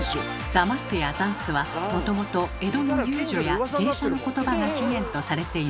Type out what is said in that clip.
「ザマス」や「ザンス」はもともと江戸の遊女や芸者の言葉が起源とされています。